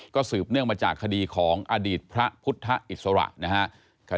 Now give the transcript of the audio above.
ก็สืบเนื่องมาจากคดีของอดีตพระพุทธอิสระนะครับ